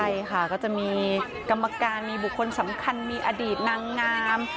ใช่ค่ะก็จะมีกรรมการมีบุคคลสำคัญมีอดีตนางงาม